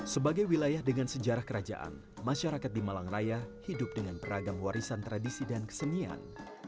sebagai wilayah dengan sejarah kerajaan masyarakat di malang raya hidup dengan beragam warisan tradisi dan kesenian